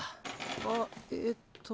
あっえーと。